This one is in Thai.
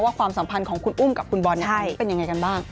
ความสัมพันธ์ของคุณอุ้มกับคุณบอลเป็นยังไงกันบ้าง